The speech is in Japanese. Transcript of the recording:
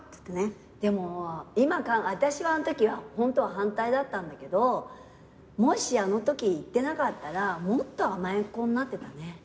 でも私はあんときはホントは反対だったんだけどもしあのとき行ってなかったらもっと甘えっ子になってたね。